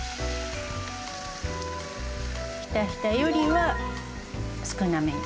ひたひたよりは少なめに。